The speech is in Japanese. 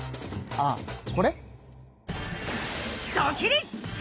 ああこれ？